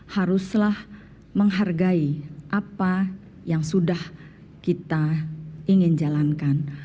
haruslah menghargai apa yang sudah kita ingin jalankan